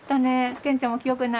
健ちゃんも記憶ない？